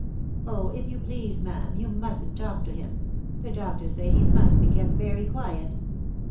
" Oh, if you please, ma'am, you mustn't talk to him. The doctors say he must be kept very quiet."